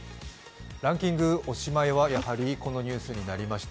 ランキング、おしまいはやはりこのニュースになりました。